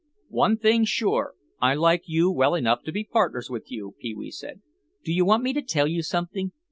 "One thing sure, I like you well enough to be partners with you," Pee wee said. "Do you want me to tell you something?